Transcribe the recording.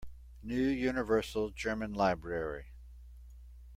New Universal German Library.